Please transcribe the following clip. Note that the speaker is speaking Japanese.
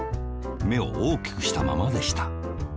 めをおおきくしたままでした。